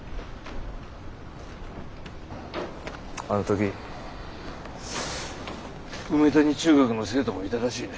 あの時梅谷中学の生徒もいたらしいね。